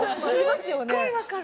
すっごいわかる！